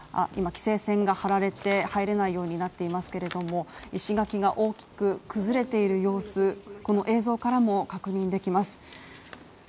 今、規制線が張られて入れないようになっていますけれども、石垣が大きく崩れている様子この映像からも確認できます。